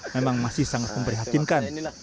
memang masih sangat memprihatinkan